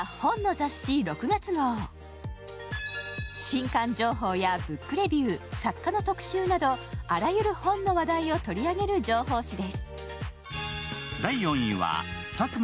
新刊情報やブックレビュー、作家の特集などあらゆる本の話題を取り上げる情報誌です。